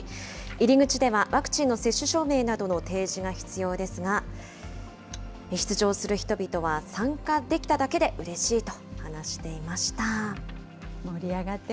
入り口では、ワクチンの接種証明などの提示が必要ですが、出場する人々は、参加できただけでうれしいと話していました。